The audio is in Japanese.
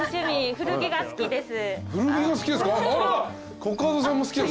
古着が好きですか。